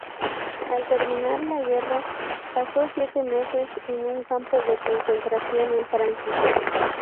Al terminar la guerra, pasó siete meses en un campo de concentración en Francia.